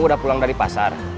udah pulang dari pasar